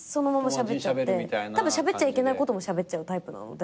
たぶんしゃべっちゃいけないこともしゃべっちゃうタイプなので。